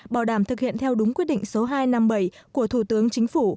bảo đảm thực hiện theo đúng quyết định số hai trăm năm mươi bảy của thủ tướng chính phủ